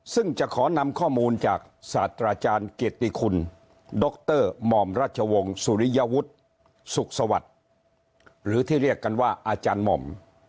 ซึ่งจะขอนำข้อมูลจากศาสตราจารย์เกียรติคุณดรหม่อมรัชวงศ์สุริยวุฒิสุขสวัสดิ์หรือที่เรียกกันว่าอาจารย์หม่อม